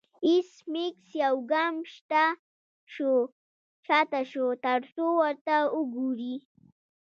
ایس میکس یو ګام شاته شو ترڅو ورته وګوري